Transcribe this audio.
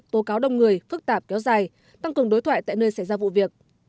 tố cáo đông người phức tạp kéo dài tăng cường đối thoại tại nơi xảy ra vụ việc